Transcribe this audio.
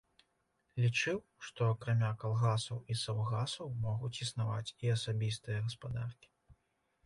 Лічыў, што акрамя калгасаў і саўгасаў могуць існаваць і асабістыя гаспадаркі.